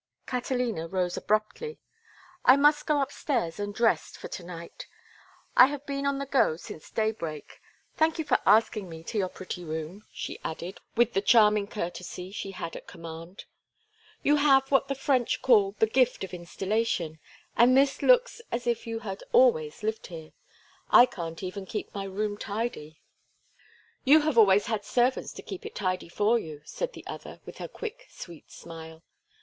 Catalina rose abruptly. "I must go upstairs and rest for to night. I have been on the go since daybreak. Thank you for asking me to your pretty room," she added, with the charming courtesy she had at command. "You have what the French call the gift of installation, and this looks as if you had always lived here. I can't even keep my room tidy." "You have always had servants to keep it tidy for you," said the other, with her quick, sweet smile.